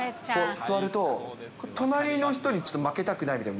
座ると、隣の人にちょっと負けたくないみたいな。